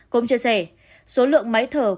cũng chia sẻ số lượng máy thở